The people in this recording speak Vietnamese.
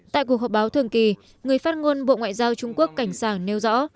tại cuộc họp báo thường kỳ người phát ngôn bộ ngoại giao trung quốc cảnh sảng nêu rõ